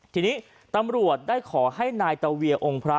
ทีนี้ตำรวจได้ขอให้นายตะเวียองค์พระ